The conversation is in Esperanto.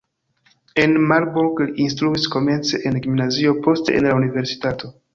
En Marburg li instruis komence en gimnazio, poste en la universitato.